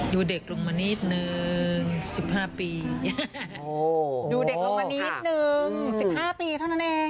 ดูเด็กลงมานิดหนึ่ง๑๕ปีเท่านั้นเอง